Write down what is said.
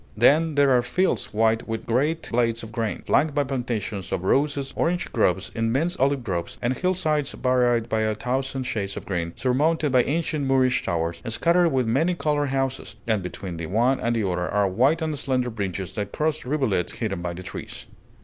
Then there are fields white with great blades of grain, flanked by plantations of roses, orange groves, immense olive groves, and hillsides varied by a thousand shades of green, surmounted by ancient Moorish towers, scattered with many colored houses; and between the one and the other are white and slender bridges that cross rivulets hidden by the trees.